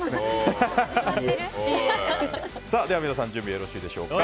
では皆さん準備はよろしいでしょうか。